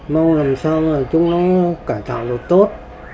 mong làm sao chúng nó cải tạo được tốt